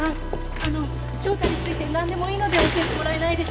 あの翔太についてなんでもいいので教えてもらえないでしょうか？